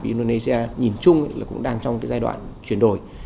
indonesia nhìn chung là cũng đang trong cái giai đoạn chuyển đổi